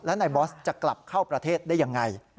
และนายบอสจะกลับเข้าประเทศได้ยังไง